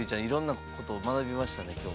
いろんなことを学びましたね